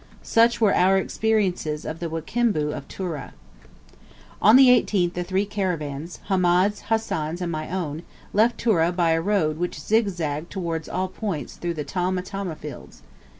Such were our experiences of the Wakimbu of Tura. On the 18th the three caravans, Hamed's, Hassan's, and my own, left Tura by a road which zig zagged towards all points through the tall matama fields.